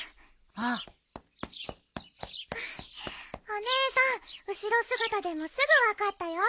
お姉さん後ろ姿でもすぐ分かったよ。